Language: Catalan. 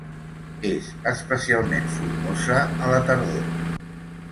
És especialment formosa a la tardor.